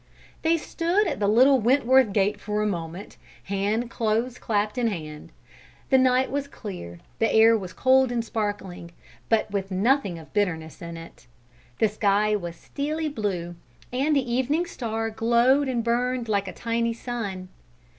They stood at the little Wentworth gate for a moment, hand close clasped in hand. The night was clear, the air was cold and sparkling, but with nothing of bitterness in it; the sky was steely blue and the evening star glowed and burned like a tiny sun.